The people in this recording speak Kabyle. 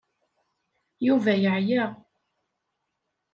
Yuba yeɛya.